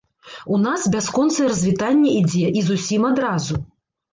У нас бясконцае развітанне ідзе, і з усім адразу.